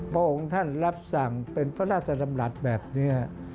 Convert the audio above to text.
พระองค์ท่านรับสั่งเป็นพระราชดำรัฐแบบนี้